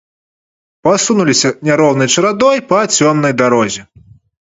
Пасунуліся няроўнай чарадой па цёмнай дарозе.